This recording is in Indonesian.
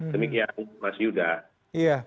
demikian mas yuda